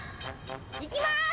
いきます。